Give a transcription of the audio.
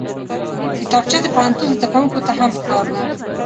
کتابچه د پوهنتون زدکوونکو ته هم پکار ده